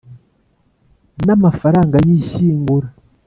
n amafaranga y ishyingura